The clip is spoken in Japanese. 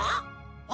あ。